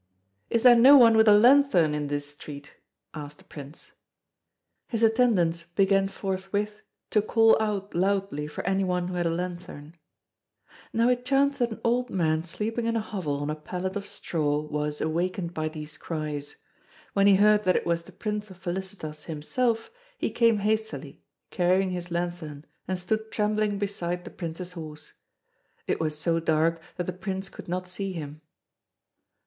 "Is there no one with a lanthorn in this street?" asked the Prince. His attendants began forthwith to call out loudly for any one who had a lanthorn. Now, it chanced that an old man sleeping in a hovel on a pallet of straw was, awakened by these cries. When he heard that it was the Prince of Felicitas himself, he came hastily, carrying his lanthorn, and stood trembling beside the Prince's horse. It was so dark that the Prince could not see him.